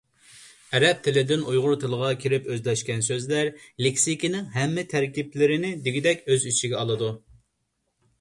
ئەرەب تىلىدىن ئۇيغۇر تىلىغا كىرىپ ئۆزلەشكەن سۆزلەر لېكسىكىنىڭ ھەممە تەركىبلىرىنى دېگۈدەك ئۆز ئىچىگە ئالىدۇ.